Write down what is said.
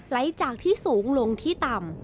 จากที่สูงลงที่ต่ำ